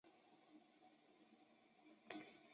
治所在湖北省东部长江北之地。